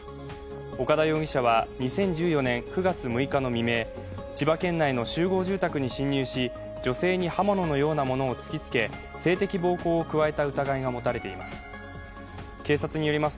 岡田容疑者は２０１４年９月６日の未明、千葉県内の集合住宅に侵入し、女性に刃物のようなものを突きつけ性的暴行を加えた疑いが持たれています。